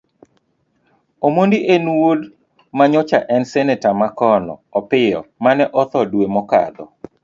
Omondi en wuod manyocha en seneta makono Opiyo mane otho dwe mokadho.